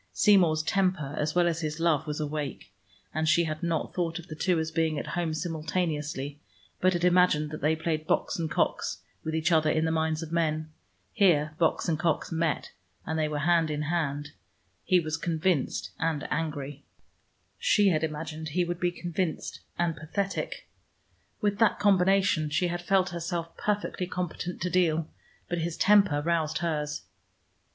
Seymour's temper, as well as his love, was awake, and she had not thought of the two as being at home simultaneously, but had imagined they played Box and Cox with each other in the minds of men. Here Box and Cox met, and they were hand in hand. He was convinced and angry: she had imagined he would be convinced and pathetic. With that combination she had felt herself perfectly competent to deal. But his temper roused hers.